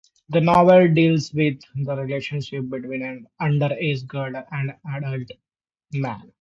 The novel deals with the relationship between an underage girl and an adult man.